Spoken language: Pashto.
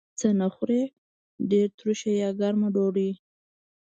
څه نه خورئ؟ ډیره تروشه یا ګرمه ډوډۍ